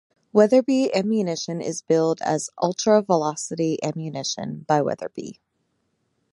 Weatherby ammunition is billed as "Ultra Velocity Ammunition" by Weatherby.